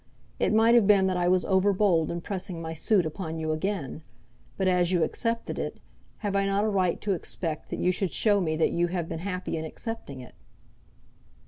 It might have been that I was over bold in pressing my suit upon you again; but as you accepted it, have I not a right to expect that you should show me that you have been happy in accepting it?"